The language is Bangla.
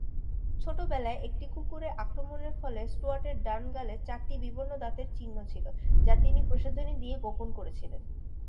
ছোটবেলায় একটি কুকুরের আক্রমণের ফলে, স্টুয়ার্টের ডান গালে চারটি বিবর্ণ দাঁতের চিহ্ন ছিল, যা তিনি প্রসাধনী দিয়ে গোপন করেছিলেন।